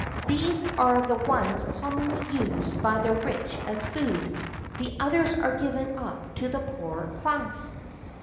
These are the ones commonly used by the rich as food; the others are given up to the poorer class.